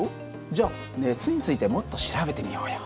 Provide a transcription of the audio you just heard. じゃあ熱についてもっと調べてみようよ。